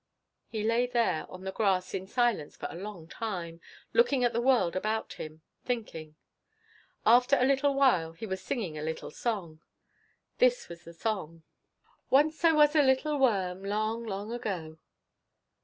He lay there on the grass in silence for a long time, looking at the world about him thinking. After a while he was singing a little song. This was the song: "Once I was a little worm Long long ago."